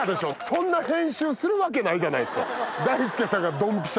そんな編集するわけないじゃないですか。